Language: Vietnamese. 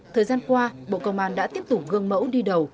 thời gian qua bộ công an đã tiếp tục gương mẫu đi đầu